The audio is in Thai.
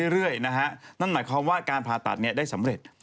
เรื่อยนะฮะนั่นหมายความว่าการผ่าตัดได้สำเร็จ